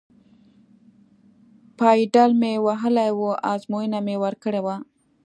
پایډل مې وهلی و، ازموینه مې ورکړې وه.